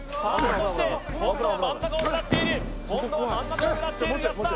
そして今度は真ん中を狙っている今度は真ん中を狙っている安田